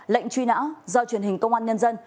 lệnh truy nã do truyền hình công an nhân dân